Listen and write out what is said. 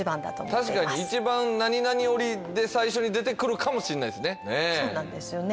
確かに一番「何々織」で最初に出てくるかもしんないすねそうなんですよね